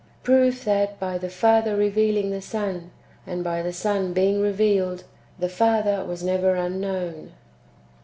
Proof that, hy the Father reveal ing the Son, and hy the Son heing revealed, the Father ivas never ztnhioicn.